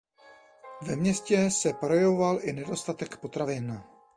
Ve městě se projevoval i nedostatek potravin.